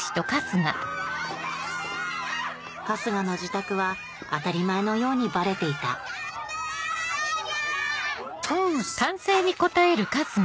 春日の自宅は当たり前のようにバレていたシャンプーおじさん！